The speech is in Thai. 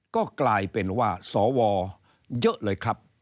ก็กลายเป็นว่าสวเยอะเลยครับ